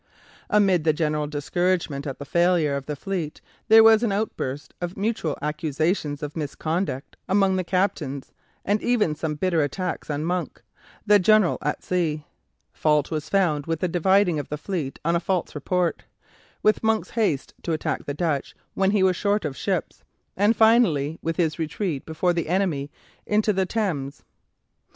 Amid the general discouragement at the failure of the fleet there was an outburst of mutual accusations of misconduct among the captains, and even some bitter attacks on Monk, the "General at Sea." Fault was found with the dividing of the fleet on a false report; with Monk's haste to attack the Dutch when he was short of ships; and, finally, with his retreat before the enemy into the Thames.